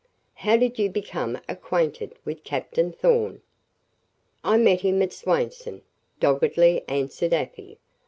"How did you become acquainted with Captain Thorn?" "I met him at Swainson," doggedly answered Afy.